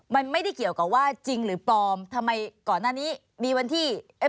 มันไม่ได้เกี่ยวกับว่าจริงหรือปลอมทำไมก่อนหน้านี้มีวันที่เอ๊ะ